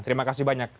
terima kasih banyak